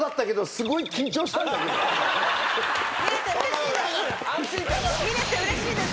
見れてうれしいです。